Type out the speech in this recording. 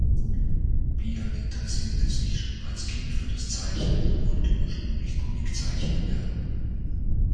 Piat interessierte sich schon als Kind für das Zeichnen und wollte ursprünglich Comiczeichner werden.